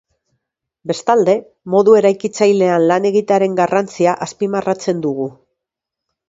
Bestalde, modu eraikitzailean lan egitearen garrantzia azpimarratzen dugu.